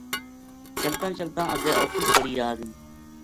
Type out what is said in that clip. چلتاں چلتاں اگے اوکھی پڑی آ گئی